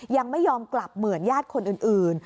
ยังไม่ยอมกลับเหมือนญาติคนอื่น